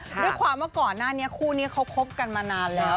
ด้วยความว่าก่อนหน้านี้คู่นี้เขาคบกันมานานแล้ว